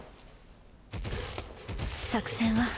作戦は？